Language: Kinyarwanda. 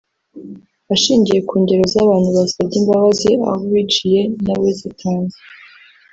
Ashingiye ku ngero z’abantu basabye imbabazi abo biciye n’abazitanze